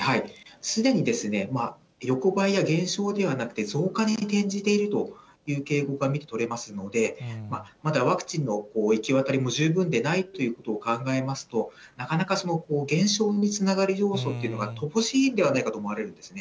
すでに横ばいや減少ではなくて、増加に転じているという傾向が見てとれますので、まだワクチンの行き渡りも十分でないということを考えますと、なかなか減少につながる要素というのが乏しいんではないかと思われるんですね。